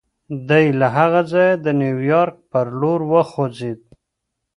دی له هغه ځایه د نیویارک پر لور وخوځېد